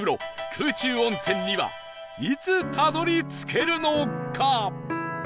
空中温泉にはいつたどり着けるのか？